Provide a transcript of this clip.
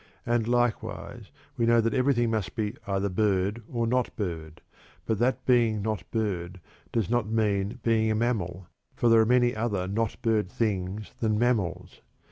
And, likewise, we know that everything must be either bird or not bird, but that being not bird does not mean being a mammal, for there are many other not bird things than mammals.